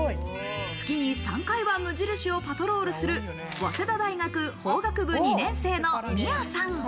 月に３回は無印をパトロールする早稲田大学法学部２年生のみあさん。